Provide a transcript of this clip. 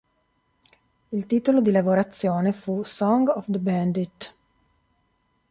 Il titolo di lavorazione fu "Song of the Bandit".